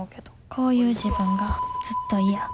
こういう自分がずっと嫌。